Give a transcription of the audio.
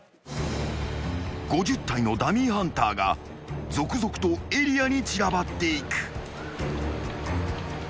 ［５０体のダミーハンターが続々とエリアに散らばっていく］